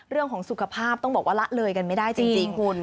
เรื่องของสุขภาพต้องบอกว่าละเลยกันไม่ได้จริงคุณ